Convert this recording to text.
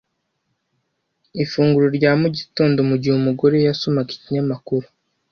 ifunguro rya mu gitondo mugihe umugore we yasomaga ikinyamakuru.